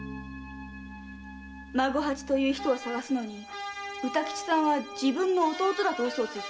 孫八という人を捜すのに歌吉さんは自分の弟だと嘘をついた。